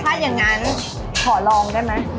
ถ้าอย่างนั้นขอลองได้ไหม